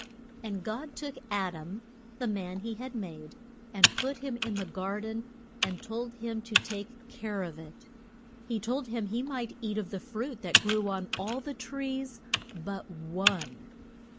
And God took Ad am, the man he had made, and put him in the gar den, and told him to take care of it. He told him he might eat of the fruit that grew on all the trees but one.